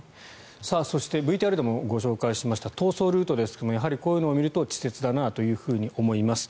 そしてＶＴＲでもご紹介しました逃走ルートですがやはりこういうのを見ると稚拙だなと思います。